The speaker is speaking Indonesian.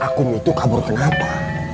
aku itu kabur kenapa